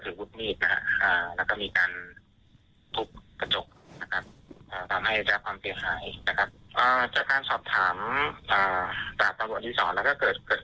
เพราะว่าอ่าหลังกับเกี่ยวชมกันแล้วเนี้ยไม่ไม่หยุดแล้วก็ไม่ตกหนี